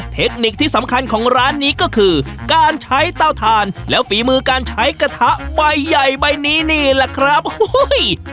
เทคนิคที่สำคัญของร้านนี้ก็คือการใช้เต้าทานแล้วฝีมือการใช้กระทะใบใหญ่ใบนี้นี่แหละครับอุ้ย